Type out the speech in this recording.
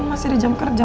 kamu masih di jam kerja